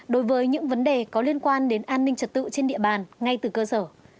đối với những vấn đề có liên quan đến an ninh trật tự trên địa bàn ngay từ cơ sở